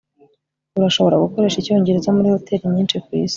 urashobora gukoresha icyongereza muri hoteri nyinshi kwisi